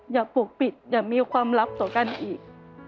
อย่าปกปิดอย่ามีความลับต่อกันอีก